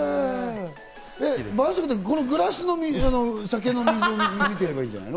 晩酌って、このグラスの液体を見てりゃいいんじゃないの？